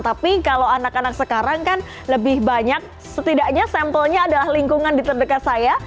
tapi kalau anak anak sekarang kan lebih banyak setidaknya sampelnya adalah lingkungan di terdekat saya